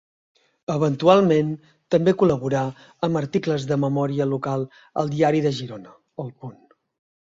Eventualment també col·laborà amb articles de memòria local al Diari de Girona, El Punt.